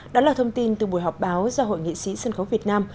đó là thông tin từ buổi họp báo do hội nghệ sĩ sân khấu việt nam